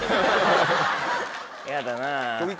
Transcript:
嫌だな。